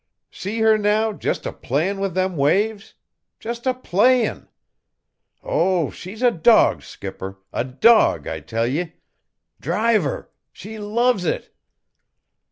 See her now jest a playin' with them waves! Jest a playin'! Oh, she's a dog, skipper a dog, I tell ye! Drive her! She loves it!"